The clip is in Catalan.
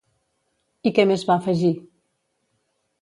I què més va afegir?